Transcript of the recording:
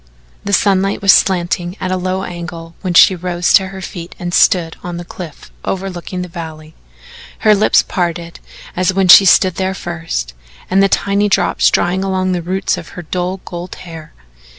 The sunlight was slanting at a low angle when she rose to her feet and stood on the cliff overlooking the valley her lips parted as when she stood there first, and the tiny drops drying along the roots of her dull gold hair.